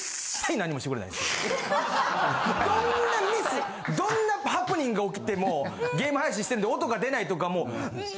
どんなミスどんなハプニングが起きてもゲーム配信してるんで音が出ないとかもう。